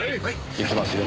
行きますよ。